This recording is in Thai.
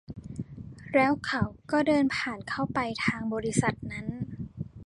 แล้วเขาก็เดินผ่านเข้าไปทางบริษัทนั้น